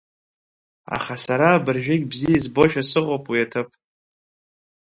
Аха сара абыржәыгь бзиа избошәа сыҟоуп уи аҭыԥ.